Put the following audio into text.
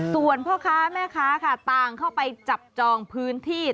ส่วนพ่อค้าแม่ค้าค่ะต่างเข้าไปจับจองพื้นที่